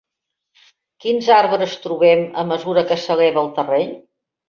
Quins arbres trobem a mesura que s'eleva el terreny?